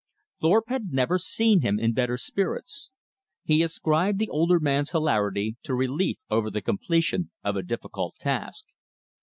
Thorpe had never seen him in better spirits. He ascribed the older man's hilarity to relief over the completion of a difficult task.